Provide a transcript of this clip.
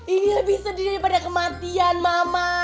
iya lebih sedih daripada kematian mama